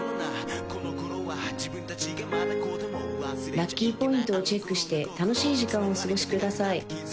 ラッキーポイントをチェックして楽しい時間をお過ごしください